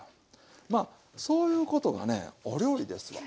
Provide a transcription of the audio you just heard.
まあそういうことがねお料理ですわ。